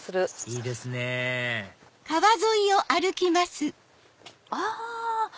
いいですねぇあ！